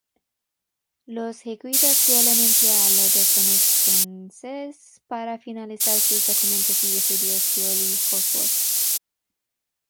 Los jesuitas suelen emplearla desde entonces para finalizar sus documentos y estudios teológicos.